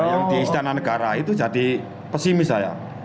yang di istana negara itu jadi pesimis saya